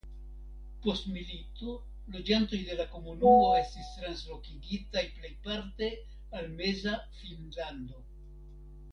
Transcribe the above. Post milito loĝantoj de la komunumo estis translokigitaj plejparte al Meza Finnlando.